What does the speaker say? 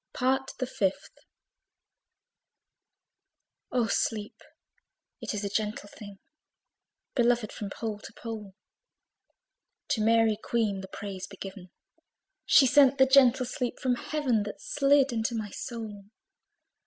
PART THE FIFTH. Oh sleep! it is a gentle thing, Beloved from pole to pole! To Mary Queen the praise be given! She sent the gentle sleep from Heaven, That slid into my soul.